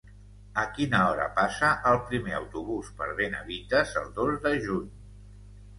A quina hora passa el primer autobús per Benavites el dos de juny?